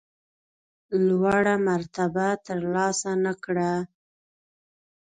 لوړه مرتبه ترلاسه نه کړه.